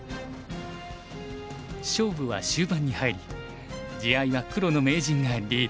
勝負は終盤に入り地合いは黒の名人がリード。